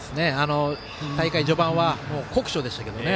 大会序盤は酷暑でしたけどね。